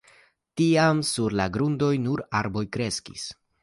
Tiam sur la grundoj nur arboj kreskis.